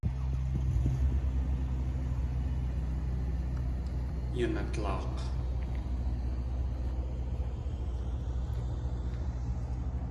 Yanadlaak̲!